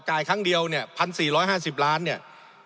ครั้งเดียวเนี่ย๑๔๕๐ล้านเนี่ย